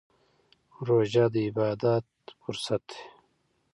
روژه د عبادت فرصت دی.